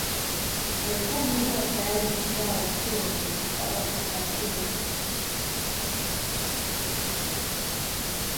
Nyangumi huwa tayari kuzaa wakiwa na miaka saba mpaka kumi.